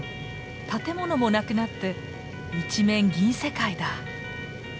建物もなくなって一面銀世界だ！